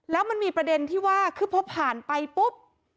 แล้วมันมีประเด็นที่ว่าคือพอผ่านไปปุ๊บ